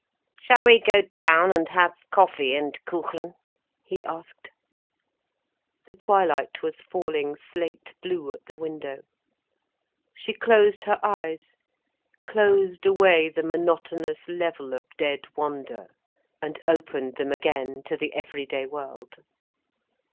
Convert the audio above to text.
"Shall we go down and have coffee and Kuchen?" he asked. The twilight was falling slate blue at the window. She closed her eyes, closed away the monotonous level of dead wonder, and opened them again to the every day world.